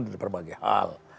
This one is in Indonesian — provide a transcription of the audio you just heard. dari berbagai hal